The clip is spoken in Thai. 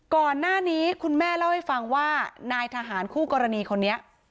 ก่อนหน้านี้คุณแม่เล่าให้ฟังว่านายทหารคู่กรณีคนนี้